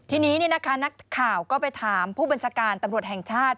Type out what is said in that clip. ทีนี้นักข่าวก็ไปถามผู้บัญชาการตำรวจแห่งชาติ